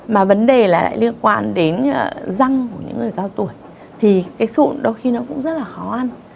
mà vấn đề lại liên quan đến răng của những người cao tuổi thì sụn đôi khi cũng rất là khó ăn